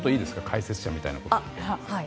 解説者みたいなこと言って。